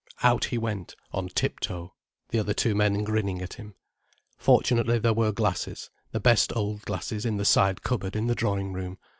Out he went, on tip toe, the other two men grinning at him. Fortunately there were glasses, the best old glasses, in the side cupboard in the drawing room.